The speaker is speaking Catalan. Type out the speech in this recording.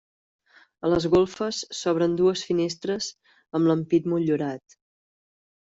A les golfes s'obren dues finestres amb l'ampit motllurat.